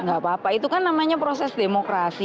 nggak apa apa itu kan namanya proses demokrasi